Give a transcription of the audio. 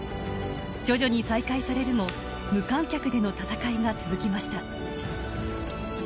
徐々に再開されるも無観客での戦いが続きました。